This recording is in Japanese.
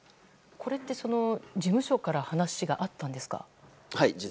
これって、事務所から話があったんですか？